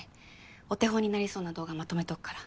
お手本になりそうな動画まとめとくから。